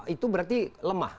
itu berarti lemah